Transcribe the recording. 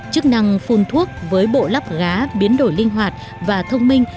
chức năng phun thuốc với bộ lắp gá biến đổi linh hoạt và thông minh